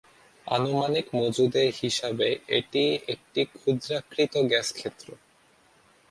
আনুমানিক মজুদের হিসাবে এটি একটি ক্ষুদ্রাকৃতির গ্যাসক্ষেত্র।